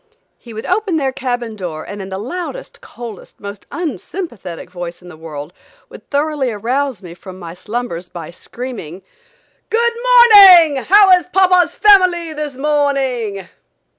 He would open their cabin door and in the loudest, coldest, most unsympathetic voice in the world, would thoroughly arouse me from my slumbers by screaming: "Good morning. How is papa's family this morning?"